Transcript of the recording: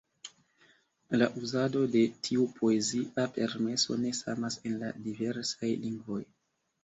La uzado de tiu poezia permeso ne samas en la diversaj lingvoj.